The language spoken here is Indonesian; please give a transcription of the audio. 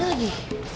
dua aja lagi